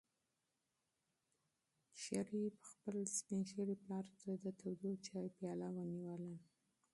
شریف خپل سپین ږیري پلار ته د تودو چایو پیاله ونیوله.